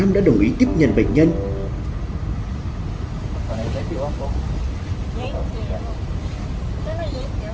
bệnh viện nhân dân một trăm một mươi năm đã đồng ý tiếp nhận bệnh nhân đến điều trị